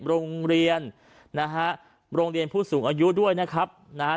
โรงเรียนนะฮะโรงเรียนผู้สูงอายุด้วยนะครับนะฮะ